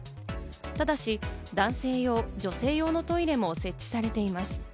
ただし、男性用、女性用のトイレも設置されています。